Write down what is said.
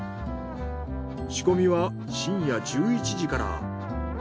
仕込みは深夜１１時から。